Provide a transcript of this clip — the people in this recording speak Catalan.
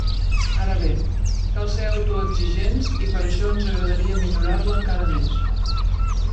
Ara bé, cal ser autoexigents i per això ens agradaria millorar-la encara més!